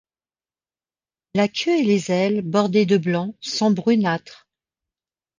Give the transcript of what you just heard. La queue et les ailes, bordées de blanc, sont brunâtres.